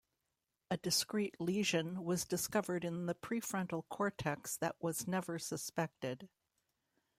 A discrete lesion was discovered in the pre-frontal cortex that was never suspected.